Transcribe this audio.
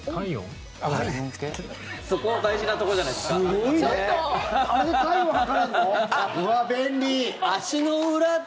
そこ大事なところじゃないですか？